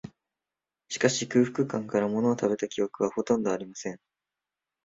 しかし、空腹感から、ものを食べた記憶は、ほとんどありません